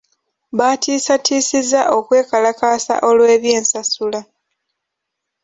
Baatiisatiisizza okwekalakaasa olw'eby'ensasula.